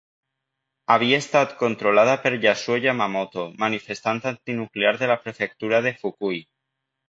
Havia estat controlada per Yasuo Yamamoto, manifestant antinuclear de la prefectura de Fukui.